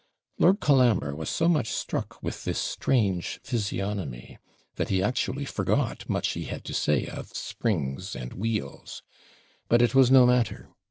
Lord Colambre was so much struck with this strange physiognomy, that he actually forgot much he had to say of springs and wheels. But it was no matter.